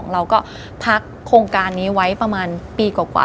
เราก็พักโครงการนี้ไว้ประมาณปีกว่า